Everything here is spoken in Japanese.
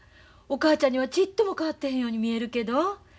お母ちゃんにはちっとも変わってへんように見えるけど。